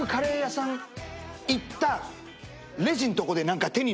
行った。